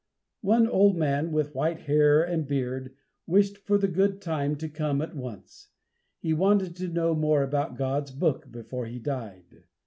One old man with white hair and beard, wished for this good time to come at once; he wanted to know more about God's book before he died.